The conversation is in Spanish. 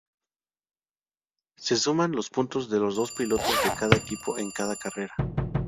Se suman los puntos de los dos pilotos de cada equipo en cada carrera.